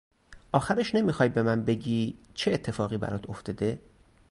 آخرش نمیخوای به من بگی چه اتفاقی برات افتاده ؟